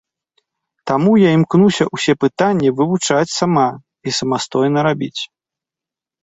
Таму я імкнуся ўсе пытанні вывучаць сама і самастойна рабіць.